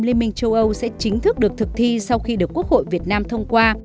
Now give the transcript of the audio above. liên minh châu âu sẽ chính thức được thực thi sau khi được quốc hội việt nam thông qua